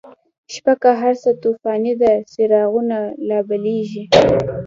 شپه که هر څه توفانی ده، چراغونه لا بلیږی